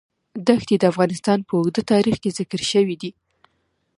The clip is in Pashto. دښتې د افغانستان په اوږده تاریخ کې ذکر شوی دی.